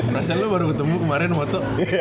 rasanya lu baru ketemu kemaren waktu